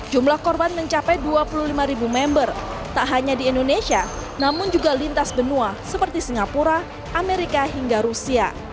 jumlah korban mencapai dua puluh lima ribu member tak hanya di indonesia namun juga lintas benua seperti singapura amerika hingga rusia